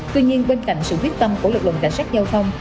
tuy nhiên bên cạnh sự quyết tâm của lực lượng cảnh sát giao thông